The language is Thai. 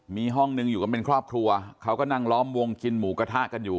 มีห้องหนึ่งอยู่กันเป็นครอบครัวเขาก็นั่งล้อมวงกินหมูกระทะกันอยู่